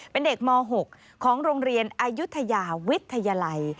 เป็นเด็กม๖ของโรงเรียนอายุทยาวิทยาลัย